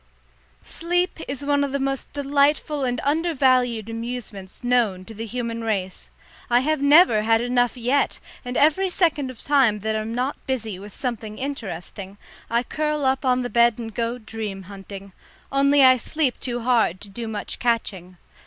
Sleep is one of the most delightful and undervalued amusements known to the human race. I have never had enough yet, and every second of time that I'm not busy with something interesting, I curl up on the bed and go dream hunting only I sleep too hard to do much catching.